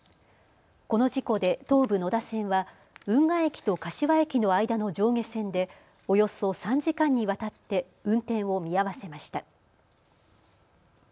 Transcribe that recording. この事故で東武野田線は運河駅と柏駅の間の上下線でおよそ３時間にわたって運転を見合わせました。